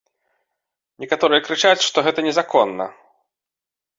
Некаторыя крычаць, што гэта незаконна.